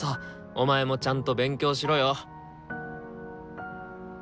お前もちゃんと勉強しろよ！